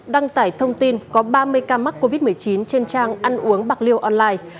đăng tải thông tin có ba mươi ca mắc covid một mươi chín trên trang ăn uống bạc liêu online